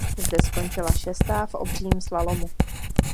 Zde skončila šestá v obřím slalomu.